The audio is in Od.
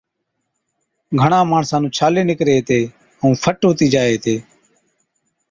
گھڻان ماڻسان نُون ڇالي نڪري هِتي ائُون فٽ هُتِي جائي هِتي۔